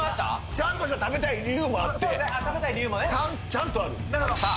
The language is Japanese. ちゃんとした食べたい理由もあってそうですね